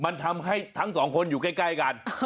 มันทำให้ทั้งสองคนอยู่ใกล้กัน